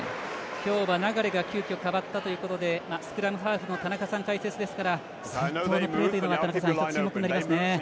今日は流が急きょ代わったということでスクラムハーフの田中さん解説ですから齋藤のプレーが一つ特徴になりますね。